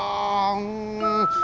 うん。